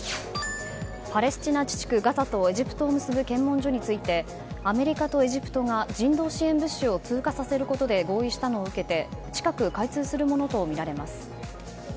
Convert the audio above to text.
パレスチナ自治区ガザとエジプトを結ぶ検問所についてアメリカとエジプトが人道支援物資を通過させることで合意したのを受けて近く開通するものとみられます。